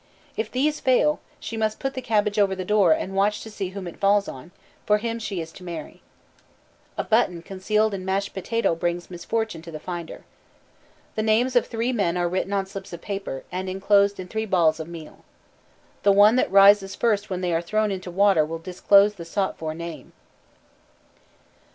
If these fail, she must put the cabbage over the door and watch to see whom it falls on, for him she is to marry. A button concealed in mashed potato brings misfortune to the finder. The names of three men are written on slips of paper, and enclosed in three balls of meal. The one that rises first when they are thrown into water will disclose the sought for name.